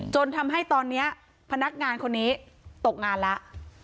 จนทำให้ตอนนี้พนักงานคนนี้ตกงานแล้ว